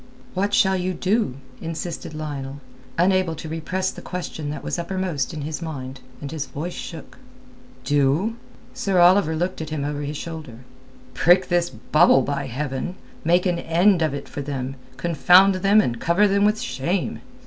"What shall you do?" insisted Lionel, unable to repress the question that was uppermost in his mind; and his voice shook. "Do?" Sir Oliver looked at him over his shoulder. "Prick this bubble, by heaven! Make an end of it for them, confound them and cover them with shame."